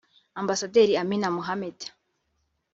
Ambasaderi Amina Mohamed